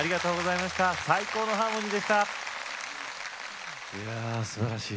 いやすばらしい。